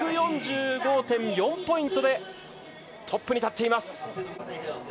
１４５．４ポイントでトップに立っています。